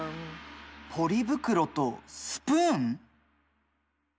ポリ袋とスプーン？